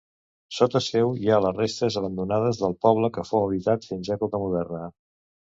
Sota seu hi ha les restes abandonades del poble, que fou habitat fins època moderna.